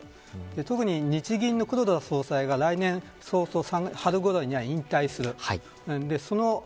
特に、日銀の黒田総裁が来年春ごろには引退する。